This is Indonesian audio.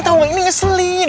tau gak ini ngeselin